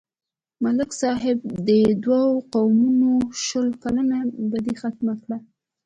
ملک صاحب د دوو قومونو شل کلنه بدي ختمه کړه.